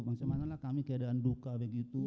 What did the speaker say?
bagaimana kami keadaan duka begitu